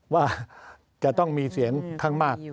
ว่าจะต้องมีเสียงข้างมาก